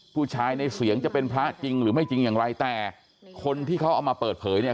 ผู้ชายในเสียงจะเป็นพระจริงหรือไม่จริงอย่างไรแต่คนที่เขาเอามาเปิดเผยเนี่ย